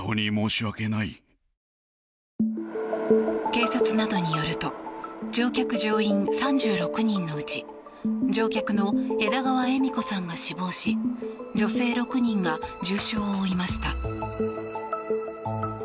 警察などによると乗客・乗員３６人のうち乗客の枝川恵美子さんが死亡し女性６人が重傷を負いました。